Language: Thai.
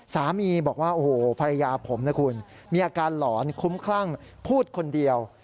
สามีบอกว่าโอ้โหภรรยาผมนะคุณมีอาการหลอนคุ้มคลั่งพูดคนเดียว